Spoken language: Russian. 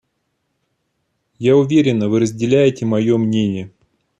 Я уверена, вы разделяете мое мнение.